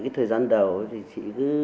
thời gian đầu thì chị cứ